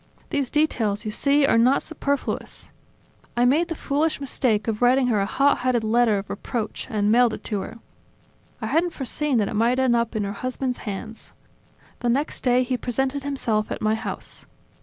These details, you see, are not superfluous. .. I made the foolish mistake of writing her a hot headed letter of reproach, and mailed it to her. I hadn't foreseen that it might end up in her husband's hands. The next day he presented himself at my house.